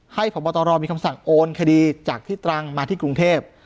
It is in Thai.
พบตรมีคำสั่งโอนคดีจากที่ตรังมาที่กรุงเทพ